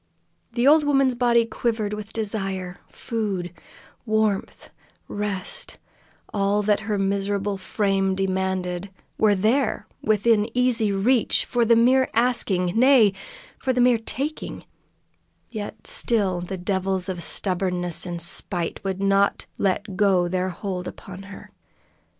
The old woman's body quivered with desire; food, warmth, rest all that her miserable frame demanded were there within easy reach, for the mere asking; nay for the mere taking; yet still the devils of stubbornness and spite would not let go their hold upon her.